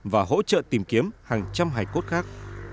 và hỗ trợ tìm kiếm hàng trăm hải cốt khác